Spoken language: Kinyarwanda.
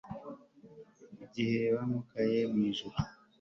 igihe wimakajwe mu ijuru